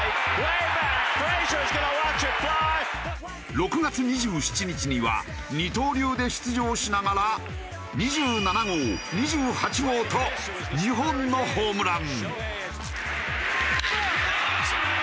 ６月２７日には二刀流で出場しながら２７号２８号と２本のホームラン。